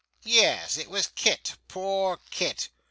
'Yes, it was Kit. Poor Kit!